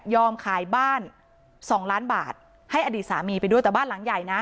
ขายบ้านสองล้านบาทให้อดีตสามีไปด้วยแต่บ้านหลังใหญ่นะ